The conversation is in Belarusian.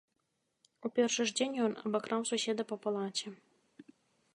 У першы ж дзень ён абакраў суседа па палаце.